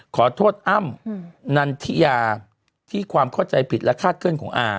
ขอโทษอ้ำนันทิยาที่ความเข้าใจผิดและคาดเคลื่อนของอา